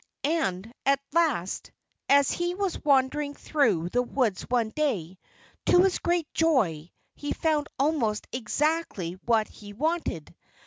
And at last, as he was wandering through the woods one day, to his great joy he found almost exactly what he wanted.